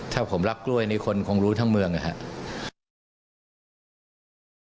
ถ้าผมรักกล้วยนี่คนคงรู้ทั้งเมืองนะครับ